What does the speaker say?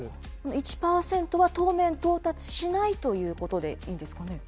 １％は当面、到達しないということでいいんですかね。